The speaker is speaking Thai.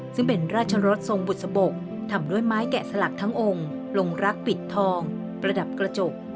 ซึ่งเป็นราชรสทรงบุษบกทำด้วยไม้แกะสลักทั้งองค์ลงรักปิดทองประดับกระจก